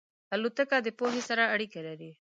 الوتکه د پوهې سره اړیکه لري.